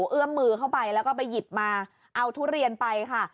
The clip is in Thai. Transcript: เอื้อมมือเข้าไปแล้วก็ไปหยิบมาเอาทุเรียนไปค่ะ